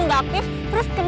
udah udah pergi sama sekali